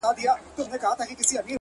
ته يې بد ايسې-